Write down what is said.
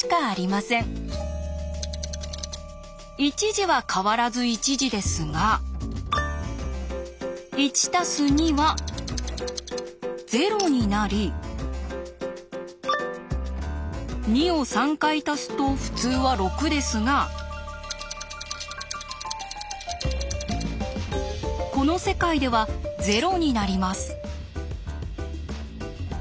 １時は変わらず１時ですが１＋２＝０になり２を３回足すと普通は６ですがこの世界では０になります。